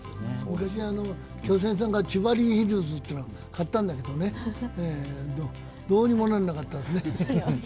昔、巨泉さんがチバリーヒルズというのを買ったんだけどどうにもならなかったね。